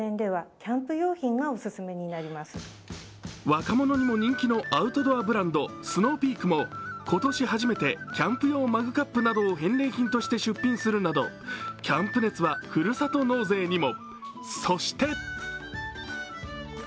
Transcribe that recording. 若者にも人気のアウトドアブランド、スノーピークも今年初めてキャンプ用マグカップなどを返礼品として出品するなどキャンプ熱はふるさと納税にも。